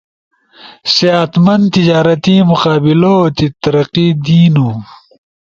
ؤ صحت مند تجارتی مقابلؤ تی ترقی دینو۔